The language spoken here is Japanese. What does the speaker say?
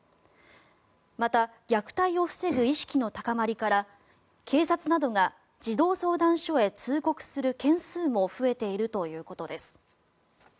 また、虐待を防ぐ意識の高まりから警察などが児童相談所へ通告する件数も増えているということです。